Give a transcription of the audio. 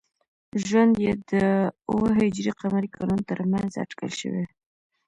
ژوند یې د او ه ق کلونو تر منځ اټکل شوی.